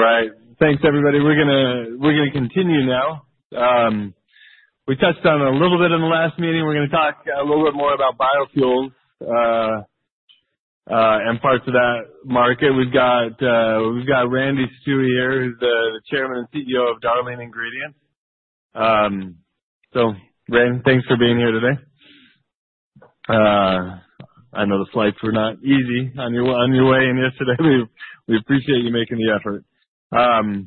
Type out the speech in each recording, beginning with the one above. All right. Thanks, everybody. We're going to continue now. We touched on it a little bit in the last meeting. We're going to talk a little bit more about biofuel and parts of that market. We've got Randy Stuewe here, who's the Chairman and CEO of Darling Ingredients. So, Rand, thanks for being here today. I know the flights were not easy on your way in yesterday. We appreciate you making the effort.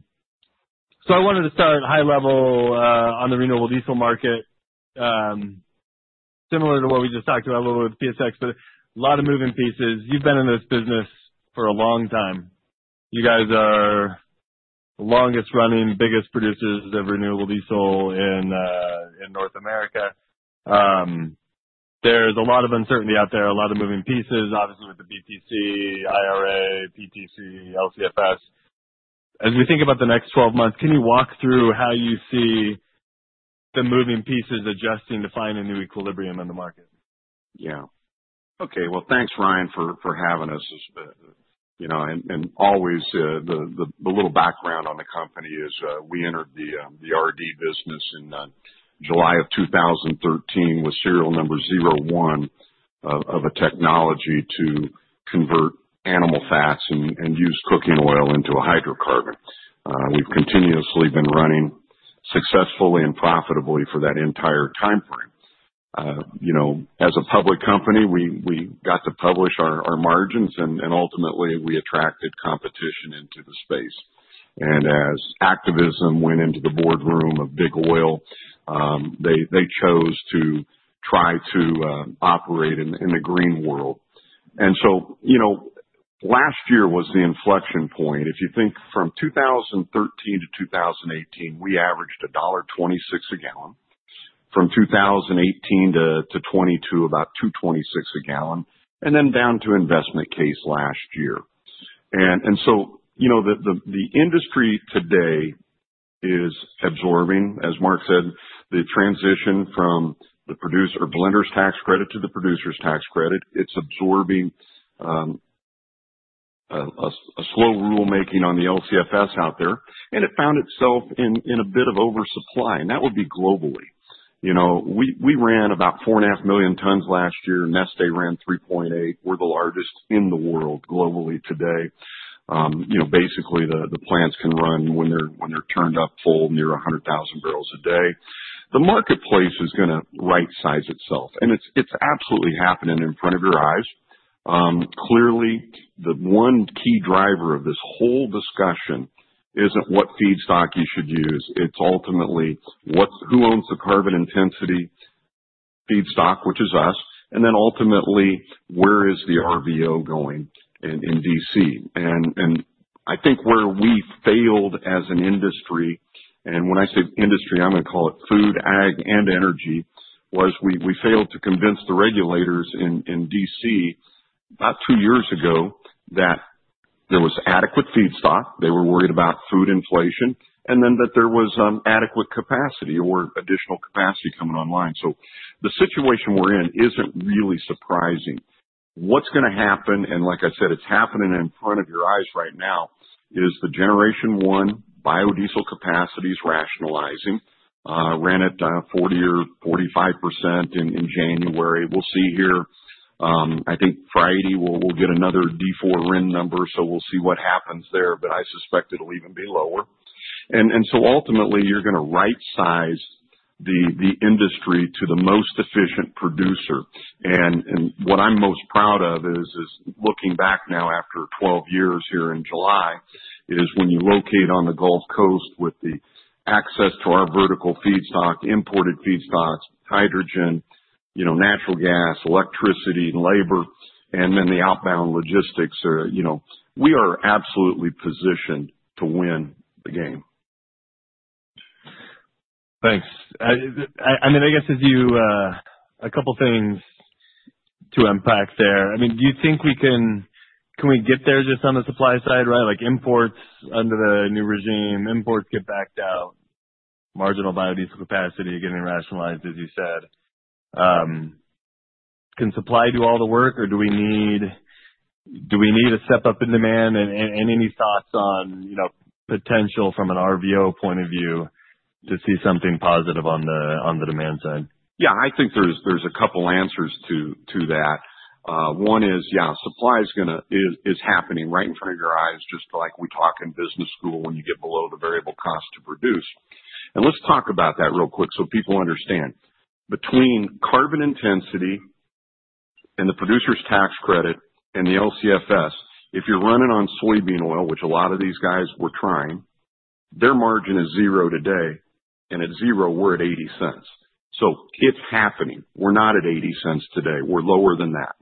So I wanted to start high level on the renewable diesel market, similar to what we just talked about a little bit with PSX, but a lot of moving pieces. You've been in this business for a long time. You guys are the longest running, biggest producers of renewable diesel in North America. There's a lot of uncertainty out there, a lot of moving pieces, obviously with the BTC, IRA, PTC, LCFS. As we think about the next 12 months, can you walk through how you see the moving pieces adjusting to find a new equilibrium in the market? Yeah. Okay. Well, thanks, Ryan, for having us. And always the little background on the company is we entered the RD business in July of 2013 with serial number 01 of a technology to convert animal fats and used cooking oil into a hydrocarbon. We've continuously been running successfully and profitably for that entire time frame. As a public company, we got to publish our margins, and ultimately, we attracted competition into the space. And as activism went into the boardroom of Big Oil, they chose to try to operate in the green world. And so last year was the inflection point. If you think from 2013 to 2018, we averaged $1.26 a gallon. From 2018 to 2022, about $2.26 a gallon, and then down to investment case last year. And so the industry today is absorbing, as Mark said, the transition from the producer blender's tax credit to the producer's tax credit. It's absorbing a slow rulemaking on the LCFS out there, and it found itself in a bit of oversupply, and that would be globally. We ran about 4.5 million tons last year. Neste ran 3.8. We're the largest in the world globally today. Basically, the plants can run when they're turned up full near 100,000 bbl a day. The marketplace is going to right-size itself, and it's absolutely happening in front of your eyes. Clearly, the one key driver of this whole discussion isn't what feedstock you should use. It's ultimately who owns the carbon intensity feedstock, which is us, and then ultimately, where is the RVO going in D.C.? And I think where we failed as an industry, and when I say industry, I'm going to call it food, ag, and energy, was we failed to convince the regulators in D.C. about two years ago that there was adequate feedstock. They were worried about food inflation and then that there was adequate capacity or additional capacity coming online. So the situation we're in isn't really surprising. What's going to happen, and like I said, it's happening in front of your eyes right now, is the generation one biodiesel capacity is rationalizing. Ran at 40% or 45% in January. We'll see here. I think Friday we'll get another D4 RIN number, so we'll see what happens there, but I suspect it'll even be lower. And so ultimately, you're going to right-size the industry to the most efficient producer. What I'm most proud of is looking back now after 12 years here. In July is when you locate on the Gulf Coast with the access to our vertical feedstock, imported feedstocks, hydrogen, natural gas, electricity, and labor, and then the outbound logistics. We are absolutely positioned to win the game. Thanks. I mean, I guess a couple of things to unpack there. I mean, do you think we can get there just on the supply side, right? Like imports under the new regime, imports get backed out, marginal biodiesel capacity getting rationalized, as you said. Can supply do all the work, or do we need a step up in demand? And any thoughts on potential from an RVO point of view to see something positive on the demand side? Yeah. I think there's a couple of answers to that. One is, yeah, supply is happening right in front of your eyes just like we talk in business school when you get below the variable cost to produce. Let's talk about that real quick so people understand. Between carbon intensity and the producer's tax credit and the LCFS, if you're running on soybean oil, which a lot of these guys were trying, their margin is zero today, and at zero, we're at $0.80. So it's happening. We're not at $0.80 today. We're lower than that.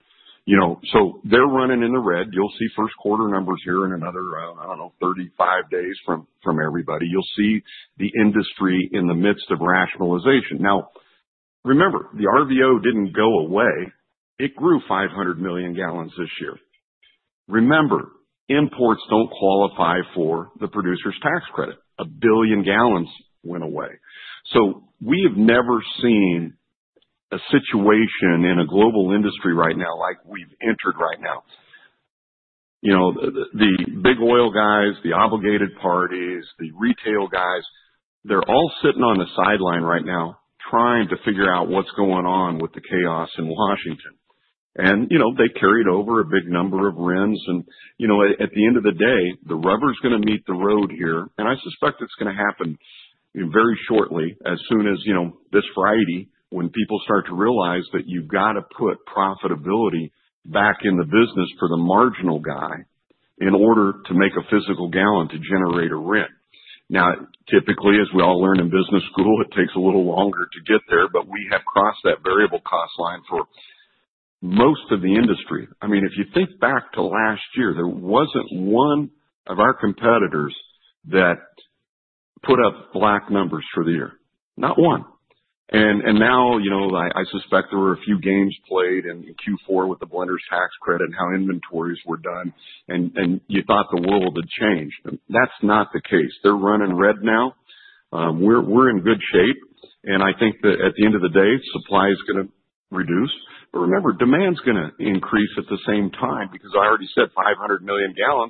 So they're running in the red. You'll see first quarter numbers here in another, I don't know, 35 days from everybody. You'll see the industry in the midst of rationalization. Now, remember, the RVO didn't go away. It grew 500 million gal this year. Remember, imports don't qualify for the producer's tax credit. A billion gallons went away, so we have never seen a situation in a global industry right now like we've entered right now. The big oil guys, the obligated parties, the retail guys, they're all sitting on the sidelines right now trying to figure out what's going on with the chaos in Washington, and they carried over a big number of RINs, and at the end of the day, the rubber's going to meet the road here, and I suspect it's going to happen very shortly, as soon as this Friday, when people start to realize that you've got to put profitability back in the business for the marginal guy in order to make a physical gallon to generate a RIN. Now, typically, as we all learn in business school, it takes a little longer to get there, but we have crossed that variable cost line for most of the industry. I mean, if you think back to last year, there wasn't one of our competitors that put up black numbers for the year. Not one. And now, I suspect there were a few games played in Q4 with the blender's tax credit, how inventories were done, and you thought the world had changed. That's not the case. They're running red now. We're in good shape. And I think that at the end of the day, supply is going to reduce. But remember, demand's going to increase at the same time because I already said 500 million gal.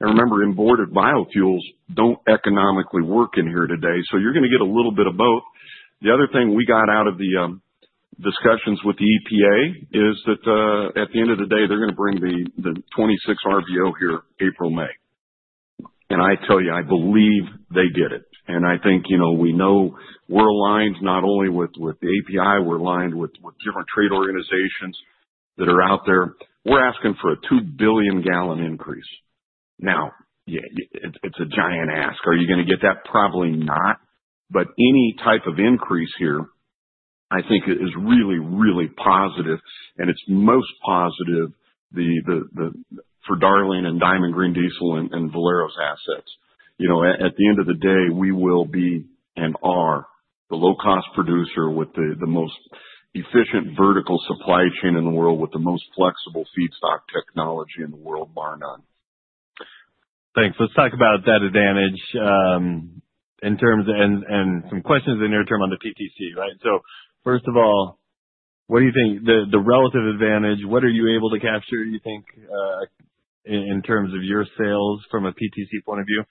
And remember, imported biofuels don't economically work in here today. So you're going to get a little bit of both. The other thing we got out of the discussions with the EPA is that at the end of the day, they're going to bring the 26 RVO here April, May. I tell you, I believe they get it. I think we know we're aligned not only with the API, we're aligned with different trade organizations that are out there. We're asking for a 2 billion gal increase. Now, it's a giant ask. Are you going to get that? Probably not. But any type of increase here, I think, is really, really positive. It's most positive for Darling and Diamond Green Diesel and Valero's assets. At the end of the day, we will be and are the low-cost producer with the most efficient vertical supply chain in the world with the most flexible feedstock technology in the world, bar none. Thanks. Let's talk about that advantage in terms of and some questions in the near term on the PTC, right? So first of all, what do you think the relative advantage? What are you able to capture, you think, in terms of your sales from a PTC point of view?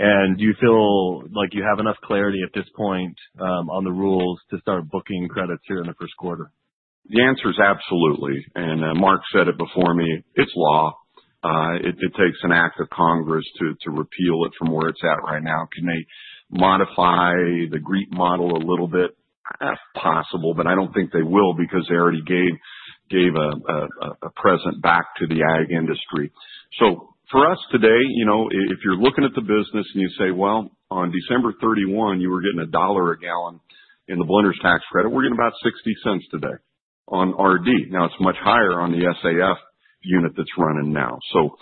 And do you feel like you have enough clarity at this point on the rules to start booking credits here in the first quarter? The answer is absolutely. And Mark said it before me. It's law. It takes an act of Congress to repeal it from where it's at right now. Can they modify the GREET model a little bit? Possible, but I don't think they will because they already gave a present back to the ag industry. So for us today, if you're looking at the business and you say, "Well, on December 31, you were getting $1 a gallon in the blender's tax credit, we're getting about $0.60 today on RD." Now, it's much higher on the SAF unit that's running now. So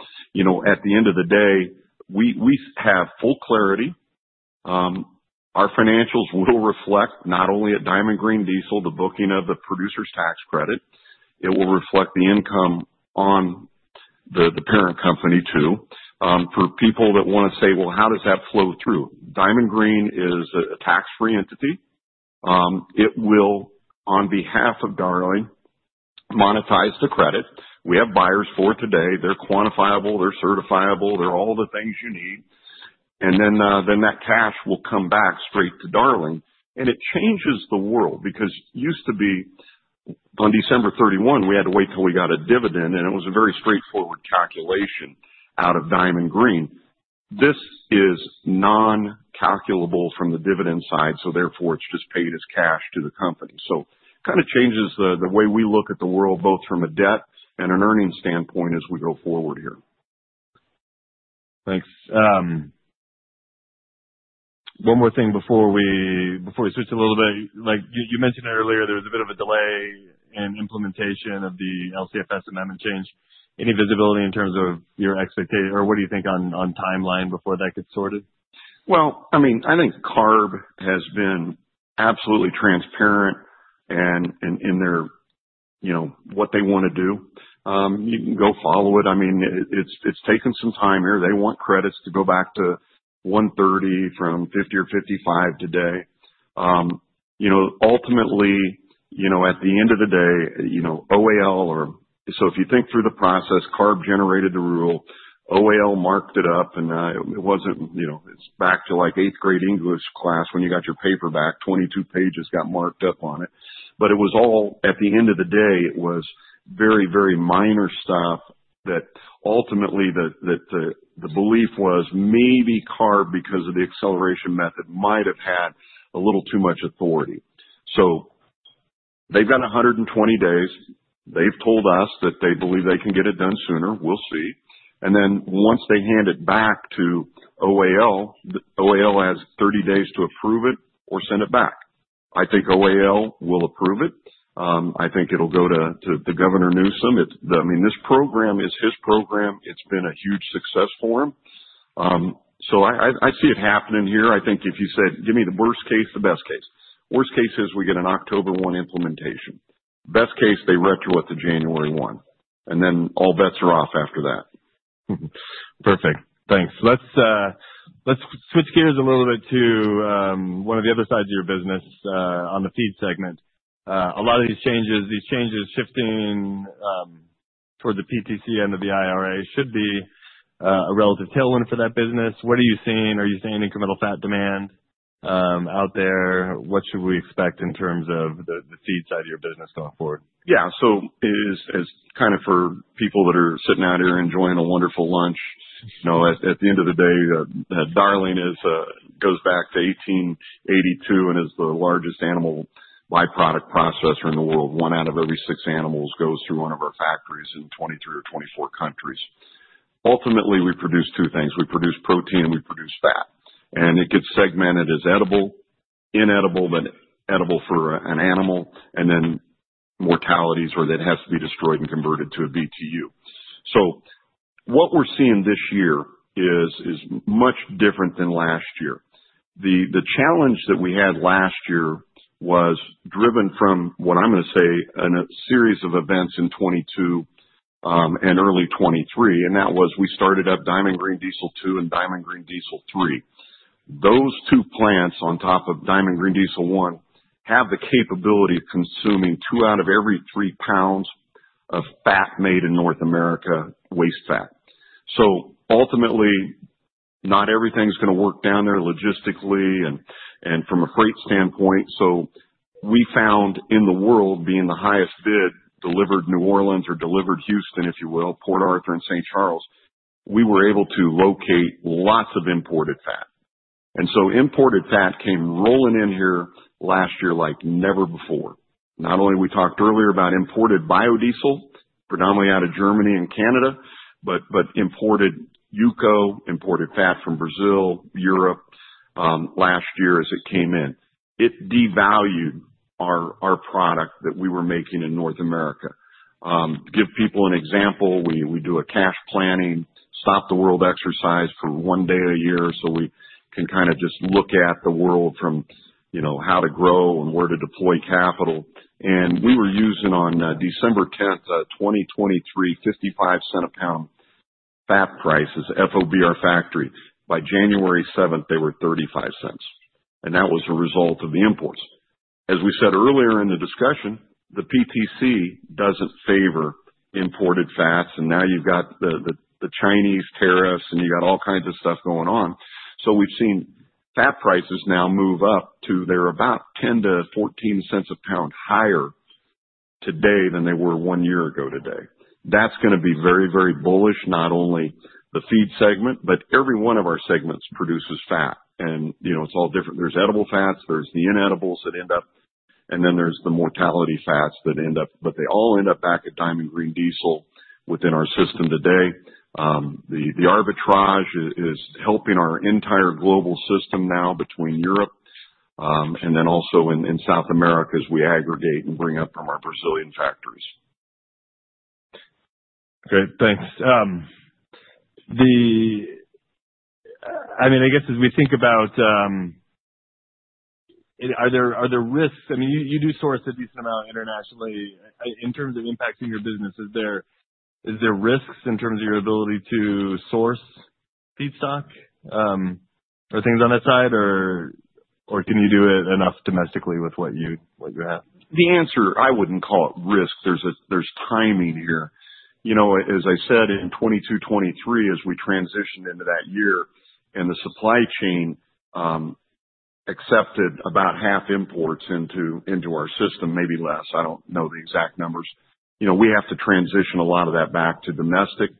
at the end of the day, we have full clarity. Our financials will reflect not only at Diamond Green Diesel, the booking of the producer's tax credit. It will reflect the income on the parent company too. For people that want to say, "Well, how does that flow through?" Diamond Green is a tax-free entity. It will, on behalf of Darling, monetize the credit. We have buyers for today. They're quantifiable. They're certifiable. They're all the things you need, and then that cash will come back straight to Darling, and it changes the world because it used to be on December 31, we had to wait till we got a dividend, and it was a very straightforward calculation out of Diamond Green. This is non-calculable from the dividend side, so therefore, it's just paid as cash to the company, so it kind of changes the way we look at the world both from a debt and an earnings standpoint as we go forward here. Thanks. One more thing before we switch a little bit. You mentioned earlier there was a bit of a delay in implementation of the LCFS amendment change. Any visibility in terms of your expectation? Or what do you think on timeline before that gets sorted? I mean, I think CARB has been absolutely transparent in what they want to do. You can go follow it. I mean, it's taken some time here. They want credits to go back to 130 from 50 or 55 today. Ultimately, at the end of the day, OAL, or so, if you think through the process, CARB generated the rule. OAL marked it up, and it wasn't. It's back to like eighth-grade English class when you got your paper back. 22 pages got marked up on it. But it was all, at the end of the day, it was very, very minor stuff that ultimately the belief was maybe CARB because of the acceleration method might have had a little too much authority. So they've got 120 days. They've told us that they believe they can get it done sooner. We'll see. And then once they hand it back to OAL, OAL has 30 days to approve it or send it back. I think OAL will approve it. I think it'll go to Governor Newsom. I mean, this program is his program. It's been a huge success for him. So I see it happening here. I think if you said, "Give me the worst case, the best case." Worst case is we get an October 1 implementation. Best case, they retro it to January 1. And then all bets are off after that. Perfect. Thanks. Let's switch gears a little bit to one of the other sides of your business on the feed segment. A lot of these changes, these changes shifting toward the PTC and the IRA should be a relative tailwind for that business. What are you seeing? Are you seeing incremental fat demand out there? What should we expect in terms of the feed side of your business going forward? Yeah, so it's kind of for people that are sitting out here enjoying a wonderful lunch. At the end of the day, Darling goes back to 1882 and is the largest animal byproduct processor in the world. One out of every six animals goes through one of our factories in 23 or 24 countries. Ultimately, we produce two things. We produce protein and we produce fat, and it gets segmented as edible, inedible, then edible for an animal, and then mortalities where that has to be destroyed and converted to a BTU, so what we're seeing this year is much different than last year. The challenge that we had last year was driven from what I'm going to say a series of events in 2022 and early 2023, and that was we started up Diamond Green Diesel 2 and Diamond Green Diesel 3. Those two plants on top of Diamond Green Diesel 1 have the capability of consuming two out of every three pounds of fat made in North America, waste fat. So ultimately, not everything's going to work down there logistically and from a freight standpoint. So we found in the world being the highest bid, Delivered New Orleans or Delivered Houston, if you will, Port Arthur and St. Charles, we were able to locate lots of imported fat. And so imported fat came rolling in here last year like never before. Not only we talked earlier about imported biodiesel, predominantly out of Germany and Canada, but imported UCO, imported fat from Brazil, Europe last year as it came in. It devalued our product that we were making in North America. To give people an example, we do a cash planning, stop the world exercise for one day a year so we can kind of just look at the world from how to grow and where to deploy capital, and we were using on December 10th, 2023, $0.55 a pound fat prices at FOB our factory. By January 7th, they were $0.35. And that was a result of the imports. As we said earlier in the discussion, the PTC doesn't favor imported fats, and now you've got the Chinese tariffs and you've got all kinds of stuff going on. So we've seen fat prices now move up to they're about $0.10-$0.14 a pound higher today than they were one year ago today. That's going to be very, very bullish, not only the feed segment, but every one of our segments produces fat, and it's all different. There's edible fats, there's the inedibles that end up, and then there's the mortality fats that end up, but they all end up back at Diamond Green Diesel within our system today. The arbitrage is helping our entire global system now between Europe and then also in South America as we aggregate and bring up from our Brazilian factories. Okay. Thanks. I mean, I guess as we think about are there risks? I mean, you do source a decent amount internationally. In terms of impacting your business, is there risks in terms of your ability to source feedstock or things on that side, or can you do it enough domestically with what you have? The answer, I wouldn't call it risk. There's timing here. As I said, in 2022, 2023, as we transitioned into that year and the supply chain accepted about half imports into our system, maybe less. I don't know the exact numbers. We have to transition a lot of that back to domestic.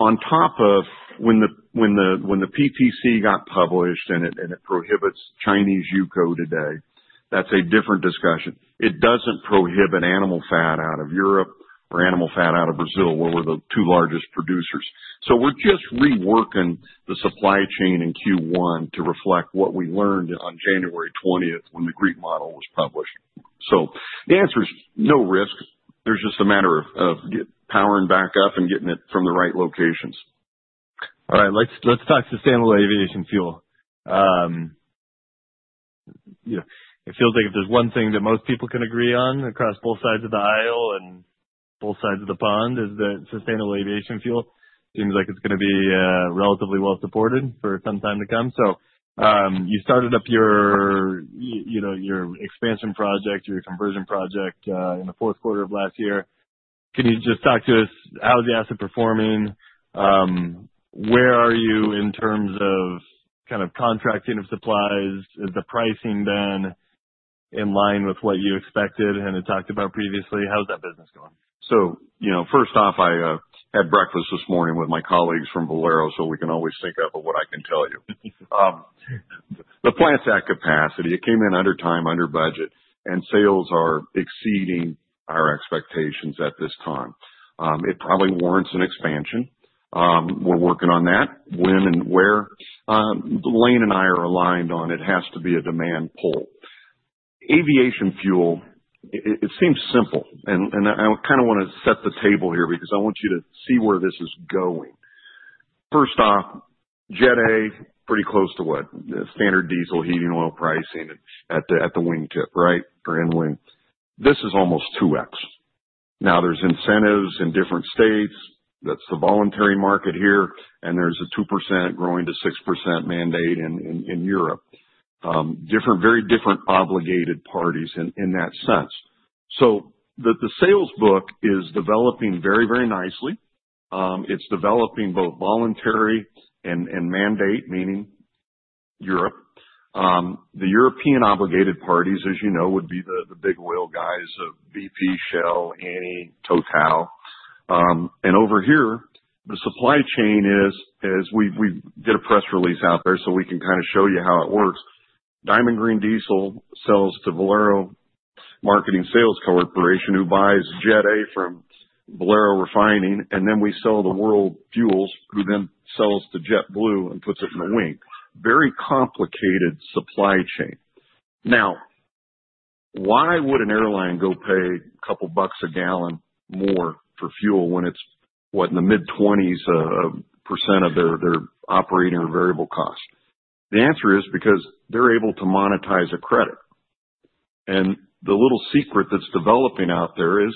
On top of when the PTC got published and it prohibits Chinese UCO today, that's a different discussion. It doesn't prohibit animal fat out of Europe or animal fat out of Brazil, where we're the two largest producers. So we're just reworking the supply chain in Q1 to reflect what we learned on January 20th when the GREET model was published. So the answer is no risk. There's just a matter of powering back up and getting it from the right locations. All right. Let's talk sustainable aviation fuel. It feels like if there's one thing that most people can agree on across both sides of the aisle and both sides of the pond, it's that sustainable aviation fuel seems like it's going to be relatively well supported for some time to come. So you started up your expansion project, your conversion project in the fourth quarter of last year. Can you just talk to us how is the asset performing? Where are you in terms of kind of contracting of supplies? Is the pricing then in line with what you expected and had talked about previously? How's that business going? So first off, I had breakfast this morning with my colleagues from Valero so we can always think of what I can tell you. The plant's at capacity. It came in under time, under budget, and sales are exceeding our expectations at this time. It probably warrants an expansion. We're working on that. When and where? Lane and I are aligned on it has to be a demand pull. Aviation fuel, it seems simple. And I kind of want to set the table here because I want you to see where this is going. First off, Jet A, pretty close to what? Standard diesel heating oil pricing at the wing tip, right? Or in wing. This is almost 2x. Now, there's incentives in different states. That's the voluntary market here. And there's a 2% growing to 6% mandate in Europe. Very different obligated parties in that sense. So the sales book is developing very, very nicely. It's developing both voluntary and mandate, meaning Europe. The European obligated parties, as you know, would be the big oil guys of BP, Shell, Eni, Total. And over here, the supply chain is, as we get a press release out there so we can kind of show you how it works, Diamond Green Diesel sells to Valero Marketing and Supply Company who buys Jet A from Valero Refining, and then we sell to World Fuel Services who then sells to JetBlue and puts it in the wing. Very complicated supply chain. Now, why would an airline go pay a couple of bucks a gallon more for fuel when it's, what, in the mid-20s percent of their operating or variable cost? The answer is because they're able to monetize a credit. And the little secret that's developing out there is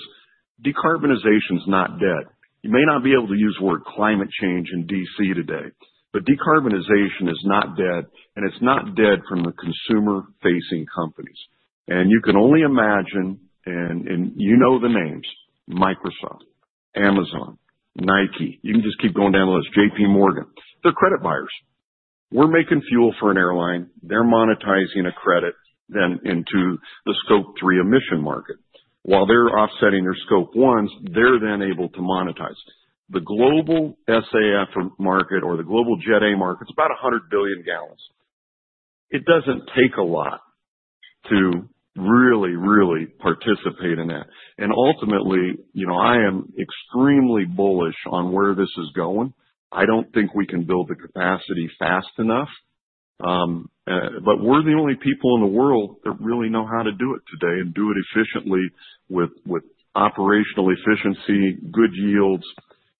decarbonization is not dead. You may not be able to use the word climate change in D.C. today, but decarbonization is not dead, and it's not dead from the consumer-facing companies. And you can only imagine, and you know the names, Microsoft, Amazon, Nike. You can just keep going down the list. JPMorgan. They're credit buyers. We're making fuel for an airline. They're monetizing a credit then into the Scope 3 emission market. While they're offsetting their Scope 1s, they're then able to monetize. The global SAF market or the global Jet A market, it's about 100 billion gal. It doesn't take a lot to really, really participate in that. And ultimately, I am extremely bullish on where this is going. I don't think we can build the capacity fast enough. But we're the only people in the world that really know how to do it today and do it efficiently with operational efficiency, good yields,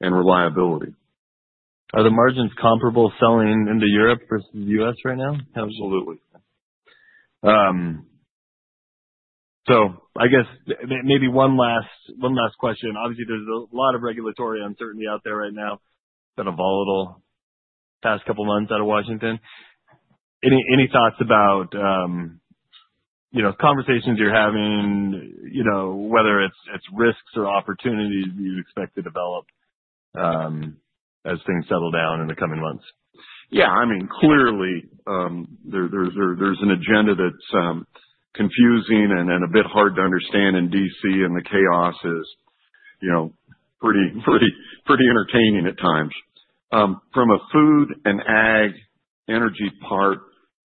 and reliability. Are the margins comparable selling into Europe versus the U.S. right now? Absolutely. So I guess maybe one last question. Obviously, there's a lot of regulatory uncertainty out there right now. It's been a volatile past couple of months out of Washington. Any thoughts about conversations you're having, whether it's risks or opportunities you expect to develop as things settle down in the coming months? Yeah. I mean, clearly, there's an agenda that's confusing and a bit hard to understand in D.C., and the chaos is pretty entertaining at times. From a food and ag energy part,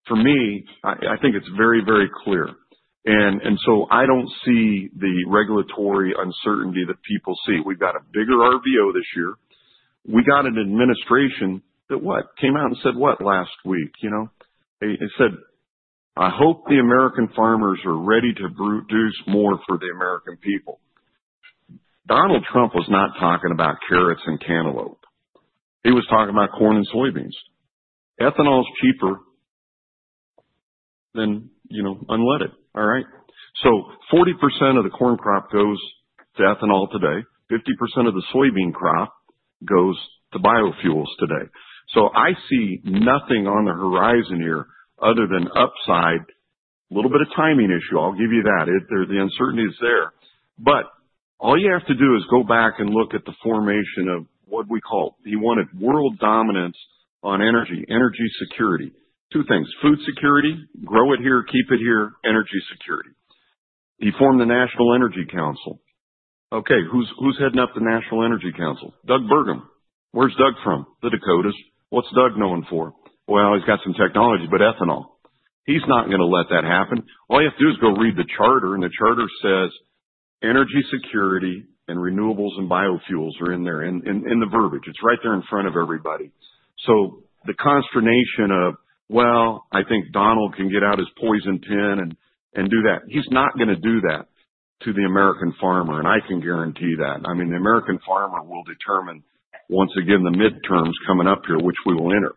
for me, I think it's very, very clear. And so I don't see the regulatory uncertainty that people see. We've got a bigger RVO this year. We got an administration that, what, came out and said what last week? They said, "I hope the American farmers are ready to produce more for the American people." Donald Trump was not talking about carrots and cantaloupe. He was talking about corn and soybeans. Ethanol is cheaper than unleaded, all right? So 40% of the corn crop goes to ethanol today. 50% of the soybean crop goes to biofuels today. So I see nothing on the horizon here other than upside, a little bit of timing issue. I'll give you that. The uncertainty is there. But all you have to do is go back and look at the formation of what we call he wanted world dominance on energy, energy security. Two things. Food security, grow it here, keep it here, energy security. He formed the National Energy Council. Okay. Who's heading up the National Energy Council? Doug Burgum. Where's Doug from? The Dakotas. What's Doug known for? Well, he's got some technology, but ethanol. He's not going to let that happen. All you have to do is go read the charter, and the charter says energy security and renewables and biofuels are in there in the verbiage. It's right there in front of everybody. So the consternation of, "Well, I think Donald can get out his poison pen and do that." He's not going to do that to the American farmer, and I can guarantee that. I mean, the American farmer will determine, once again, the midterms coming up here, which we will enter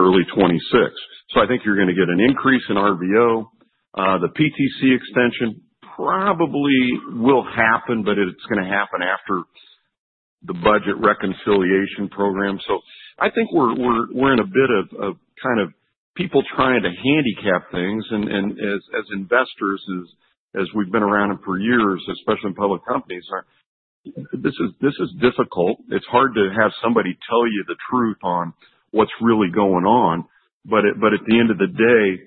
early 2026. So I think you're going to get an increase in RVO. The PTC extension probably will happen, but it's going to happen after the budget reconciliation program. So I think we're in a bit of kind of people trying to handicap things. And as investors, as we've been around for years, especially in public companies, this is difficult. It's hard to have somebody tell you the truth on what's really going on. But at the end of the day,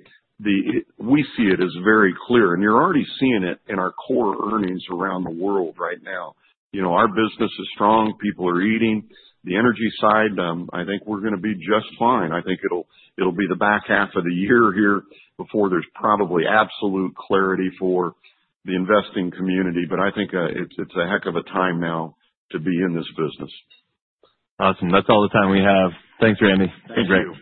we see it as very clear. And you're already seeing it in our core earnings around the world right now. Our business is strong. People are eating. The energy side, I think we're going to be just fine. I think it'll be the back half of the year here before there's probably absolute clarity for the investing community, but I think it's a heck of a time now to be in this business. Awesome. That's all the time we have. Thanks, Randy. [Thank you.]